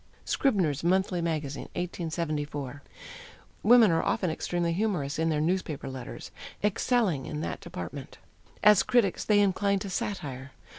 Scribner's Monthly Magazine, 1874. Women are often extremely humorous in their newspaper letters, excelling in that department. As critics they incline to satire.